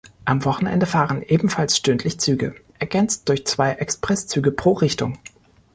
Am Wochenende fahren ebenfalls stündlich Züge, ergänzt durch zwei Expresszüge pro Richtung.